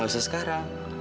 gak usah sekarang